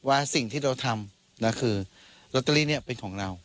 ว่าสิ่งที่เราทำคือลอตเตอรี่เนี่ยเป็นของเรา